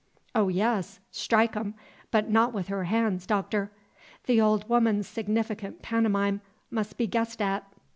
"Oh, yes, strike 'em! but not with her han's, Doctor!" The old woman's significant pantomime must be guessed at.